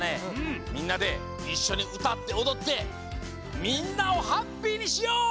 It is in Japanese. みんなでいっしょにうたっておどってみんなをハッピーにしよう！